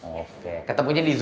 nggak bisa ketemu teman teman baru